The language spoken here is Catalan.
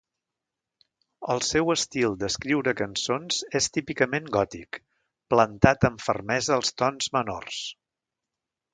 El seu estil d"escriure cançons és típicament gòtic, "plantat amb fermesa als tons menors".